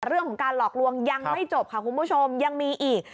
เรื่องของการหลอกลวงยังไม่จบค่ะคุณผู้ชมยังมีอีก